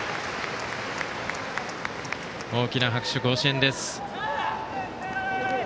大きな拍手、甲子園です。